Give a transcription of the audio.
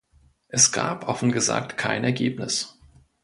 Es gab offen gesagt kein Ergebnis.